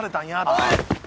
おい！